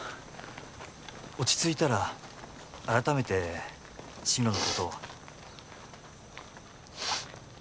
落ち着いたら改めて進路のことをあ